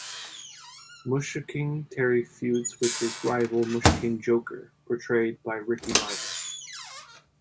Mushiking Terry feuds with his rival Mushiking Joker, portrayed by Ricky Marvin.